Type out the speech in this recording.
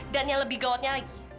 dan yang lebih gawatnya lagi